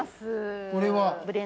これは？